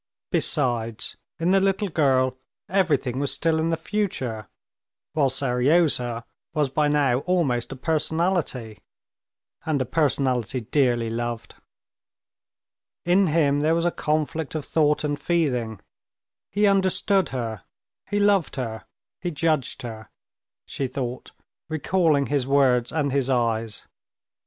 Besides, in the little girl everything was still in the future, while Seryozha was by now almost a personality, and a personality dearly loved. In him there was a conflict of thought and feeling; he understood her, he loved her, he judged her, she thought, recalling his words and his eyes.